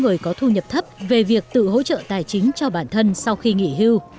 người có thu nhập thấp về việc tự hỗ trợ tài chính cho bản thân sau khi nghỉ hưu